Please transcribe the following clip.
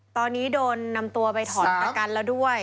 ตอนนี้โดนนำตัวไปถอนประกันแล้วด้วย